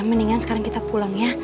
mendingan sekarang kita pulang ya